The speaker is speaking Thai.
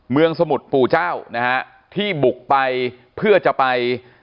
เมืองสมุทรปู่เจ้าที่บุกไปเพื่อจะไป